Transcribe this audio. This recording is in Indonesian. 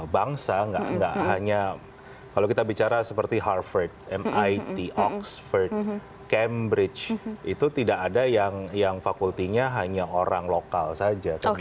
bangsa nggak hanya kalau kita bicara seperti harvard mit oxford cambridge itu tidak ada yang fakultinya hanya orang lokal saja